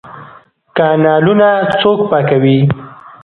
کانالونه څوک پاکوي؟